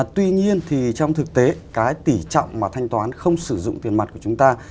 tuy nhiên thì trong thực tế cái tỉ trọng mà thanh toán không sử dụng tiền mặt của chúng ta